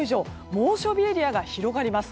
猛暑日エリアが広がります。